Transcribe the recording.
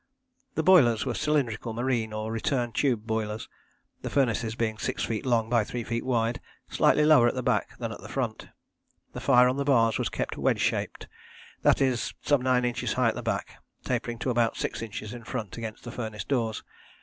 The boilers were cylindrical marine or return tube boilers, the furnaces being six feet long by three feet wide, slightly lower at the back than at the front. The fire on the bars was kept wedge shape, that is, some nine inches high at the back, tapering to about six inches in front against the furnace doors.